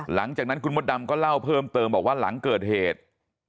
หลังจากนั้นคุณมดดำก็เล่าเพิ่มเติมบอกว่าหลังเกิดเหตุ